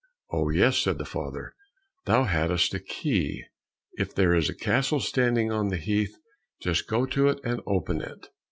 "Oh, yes," said the father, "thou hadst a key if there is a castle standing on the heath, just go to it and open it."